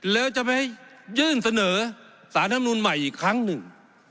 แล้วจะไปยื่นเสนอสารธรรมนุนใหม่อีกครั้งหนึ่ง